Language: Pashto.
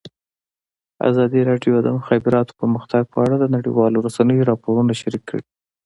ازادي راډیو د د مخابراتو پرمختګ په اړه د نړیوالو رسنیو راپورونه شریک کړي.